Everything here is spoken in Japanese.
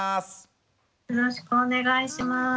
よろしくお願いします。